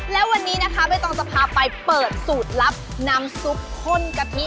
แล้ววันนี้นะคะใบตองจะพาไปเปิดสูตรลับน้ำซุปข้นกะทิ